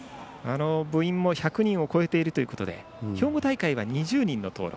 部員も１００人を超えているということで兵庫大会は２０人の登録。